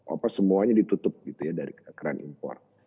apa semuanya ditutup gitu ya dari keren import